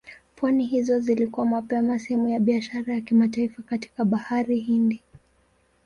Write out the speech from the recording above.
Pwani hizo zilikuwa mapema sehemu ya biashara ya kimataifa katika Bahari Hindi.